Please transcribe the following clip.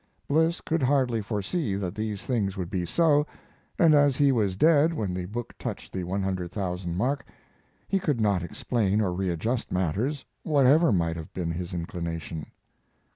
Bliss could hardly foresee that these things would be so, and as he was dead when the book touched the 100,000 mark he could not explain or readjust matters, whatever might have been his inclination.